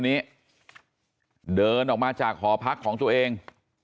นี้เดินออกมาจากหอพักของตัวเอง